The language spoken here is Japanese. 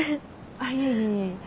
あっいえいえいえ。